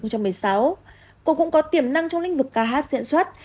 cô cũng có tiềm năng trong linh vực ca hát diễn xuất